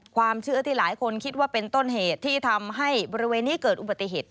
ความเชื่อที่หลายคนคิดว่าเป็นต้นเหตุที่ทำให้บริเวณนี้เกิดอุบัติเหตุ